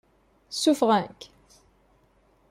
Ssuffɣen-k?